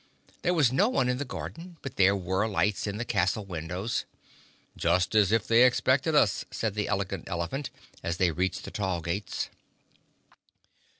There was no one in the garden but there were lights in the castle windows. "Just as if they expected us," said the Elegant Elephant, as they reached the tall gates.